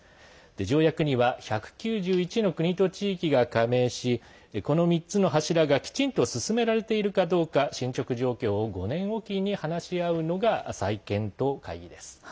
条約には１９１の国と地域が加盟しこの３つの柱がきちんと進められているかどうか進捗状況を５年おきに話し合うのが再検討会議です。